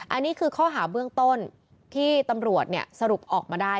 อันนี้คือข้อหาเบื้องต้นที่ตำรวจสรุปออกมาได้